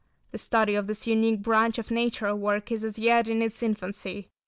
The study of this unique branch of nature work is as yet in its infancy.